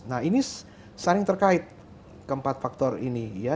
nah ini saling terkait keempat faktor ini ya